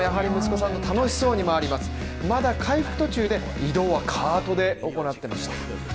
まだ回復途中で移動はカートで行ってました。